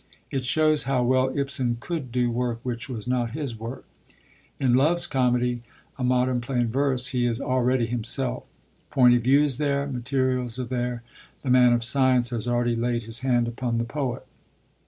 It shows how well Ibsen could do work which was not his work. In Love's Comedy, a modern play in verse, he is already himself. Point of view is there; materials are there; the man of science has already laid his hand upon the poet.